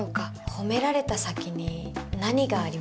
褒められた先に何がありますか？